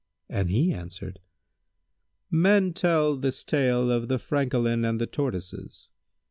and he answered, "Men tell this tale of The Francolin and the Tortoises."